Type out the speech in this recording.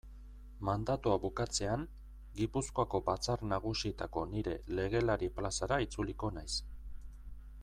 Mandatua bukatzean Gipuzkoako Batzar Nagusietako nire legelari plazara itzuliko naiz.